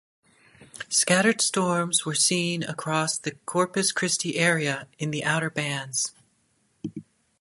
Scattered storms were seen across the Corpus Christi area in the outer bands.